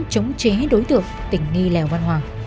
chống chế đối tượng tỉnh nghi lèo văn hoàng